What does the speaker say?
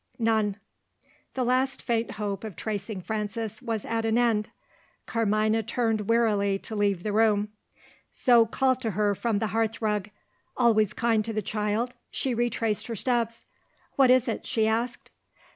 "None." The last faint hope of tracing Frances was at an end. Carmina turned wearily to leave the room. Zo called to her from the hearth rug. Always kind to the child, she retraced her steps. "What is it?" she asked.